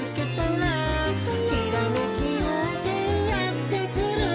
「ひらめきようせいやってくる」